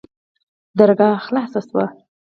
درګاه خلاصه سوه.